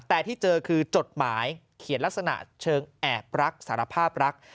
แต่ที่เจอคือจดหมายเขียนลักษณะเชิงแอบรักสารภาพรัก